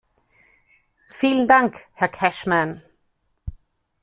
Vielen Dank, Herr Cashman.